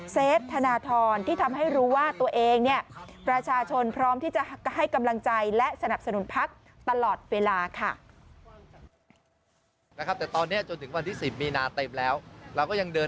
เซฟธนธรที่ทำให้รู้ว่าตัวเอง